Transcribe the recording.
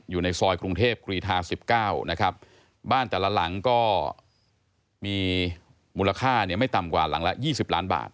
อยู่ในซอยกรุงเทพกรีธา๑๙นะครับบ้านแต่ละหลังก็มีมูลค่าเนี่ยไม่ต่ำกว่าหลังละ๒๐ล้านบาท